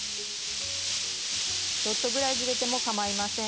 ちょっとぐらいずれてもかまいません。